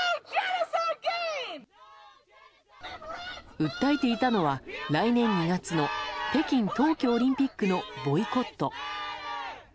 訴えていたのは、来年２月の北京冬季オリンピックのボイコット。